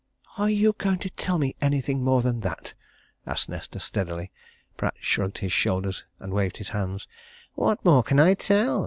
"Are you going to tell me anything more than that?" asked Nesta steadily. Pratt shrugged his shoulders and waved his hands. "What more can I tell?"